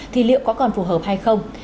thì liệu có còn phù hợp hay không